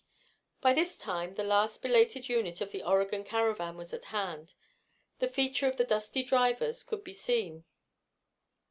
By this time the last belated unit of the Oregon caravan was at hand. The feature of the dusty drivers could be seen.